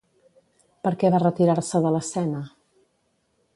Per què va retirar-se de l'escena?